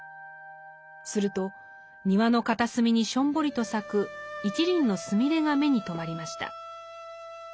すると庭の片隅にしょんぼりと咲く一輪のスミレが目に留まりました。